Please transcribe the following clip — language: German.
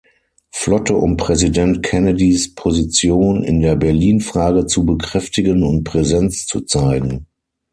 Flotte um Präsident Kennedys Position in der Berlin-Frage zu bekräftigen und Präsenz zu zeigen.